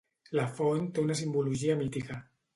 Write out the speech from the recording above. La font té una simbologia mítica.